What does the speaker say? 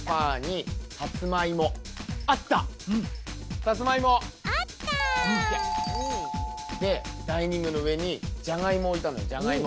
さつまいも。でダイニングの上にじゃがいもおいたのよじゃがいも。